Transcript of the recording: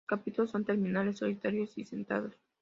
Los capítulos son terminales, solitarios y sentados.